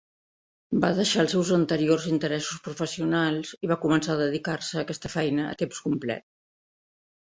Va deixar els seus anteriors interessos professionals i va començar a dedicar-se a aquesta feina a temps complet.